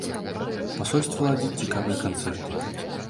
Пасольства ладзіць цікавыя канцэрты.